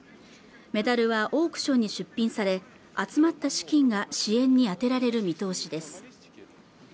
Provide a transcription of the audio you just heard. メダルはオークションに出品され集まった資金が支援に充てられる見通しです